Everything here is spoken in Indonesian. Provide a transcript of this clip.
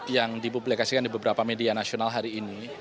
yang dipublikasikan di beberapa media nasional hari ini